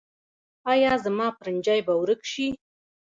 ایا زما پرنجی به ورک شي؟